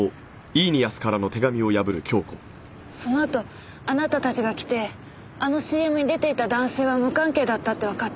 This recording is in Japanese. そのあとあなたたちが来てあのＣＭに出ていた男性は無関係だったってわかって。